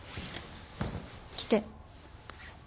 来て。